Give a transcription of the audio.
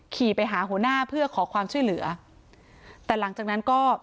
ขี่ไปหาหัวหน้าเพื่อขอความช่วยเหลือแต่หลังจากนั้นก็